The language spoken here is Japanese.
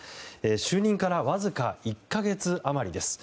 就任からわずか１か月余りです。